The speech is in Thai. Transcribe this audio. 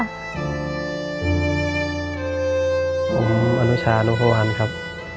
ผมอนุชานุพวันครับ